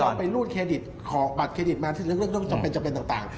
ที่เราไปรูดเครดิตของบัตรเครดิตมาเรื่องจำเป็นต่าง